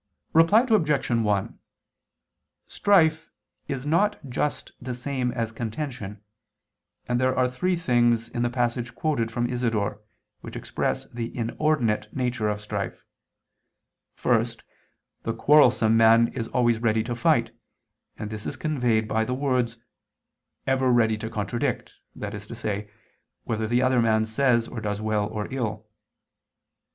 Reply Obj. 1: Strife is not just the same as contention: and there are three things in the passage quoted from Isidore, which express the inordinate nature of strife. First, the quarrelsome man is always ready to fight, and this is conveyed by the words, "ever ready to contradict," that is to say, whether the other man says or does well or ill.